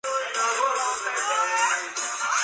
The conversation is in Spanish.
Las circunstancias parecen indicar un suicidio.